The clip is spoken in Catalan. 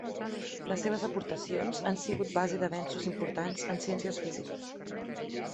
Les seves aportacions han sigut base d'avenços importants en ciències físiques.